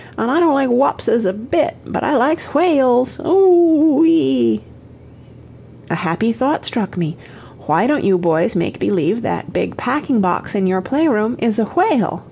An' I don't like wapses a bit, but I likes whay als oo ee ee." A happy thought struck me. "Why don't you boys make believe that big packing box in your play room is a whale?"